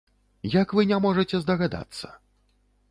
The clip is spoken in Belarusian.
Як вы не можаце здагадацца?